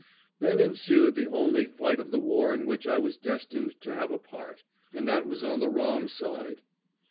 Then ensued the only fight of the war in which I was destined to have a part, and that on the wrong side.